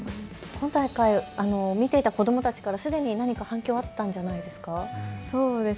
今大会、見ていた子どもたちからすでに何か、反響あったんじゃないですか。